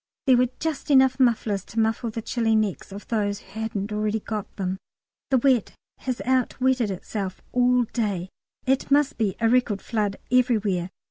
There were just enough mufflers to muffle the chilly necks of those who hadn't already got them. The wet has outwetted itself all day it must be a record flood everywhere.